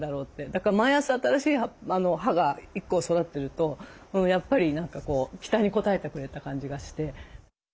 だから毎朝新しい葉が１個育ってるとやっぱり何かこう期待に応えてくれた感じがして。